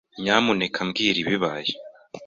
Nyamuneka mbwira ibibaye.